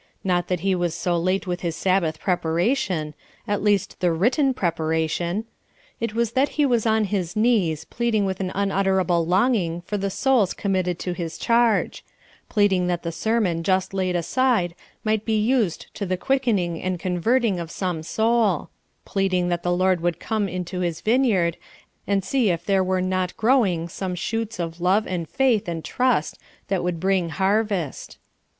Not that he was so late with his Sabbath preparation at least the written preparation. It was that he was on his knees, pleading with an unutterable longing for the souls committed to his charge pleading that the sermon just laid aside might be used to the quickening and converting of some soul pleading that the Lord would come into his vineyard and see if there were not growing some shoots of love and faith and trust that would bring harvest.